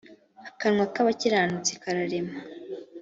akanwa k abakiranutsi kararema